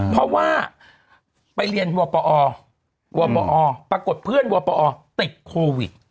เพราะว่าไปเรียนวปอวปอปรากฏเพื่อนวปอติดโควิด